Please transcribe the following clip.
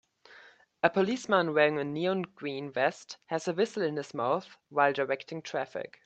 A policeman wearing a neon green vest has a whistle in his mouth while directing traffic.